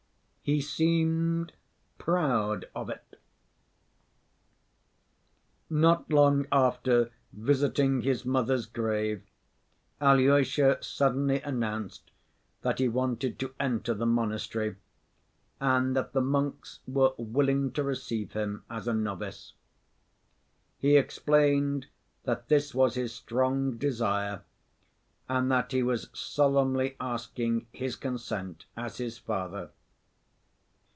He seemed proud of it. Not long after visiting his mother's grave Alyosha suddenly announced that he wanted to enter the monastery, and that the monks were willing to receive him as a novice. He explained that this was his strong desire, and that he was solemnly asking his consent as his father.